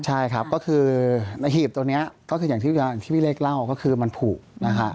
ใช่ครับก็คือในหีบตรงนี้ก็คืออย่างที่พี่เล็กเล่าก็คือมันผูกนะฮะ